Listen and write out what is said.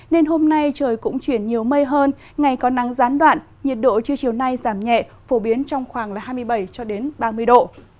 nên hôm nay trời cũng chuyển nhiều mây hơn ngày có nắng gián đoạn nhiệt độ chưa chiều nay giảm nhẹ phổ biến trong khoảng hai mươi bảy ba mươi độ